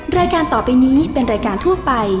รายการต่อไปนี้เป็นรายการทั่วไป